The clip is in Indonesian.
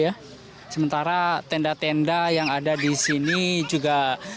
ya sementara tenda tenda yang ada di sini juga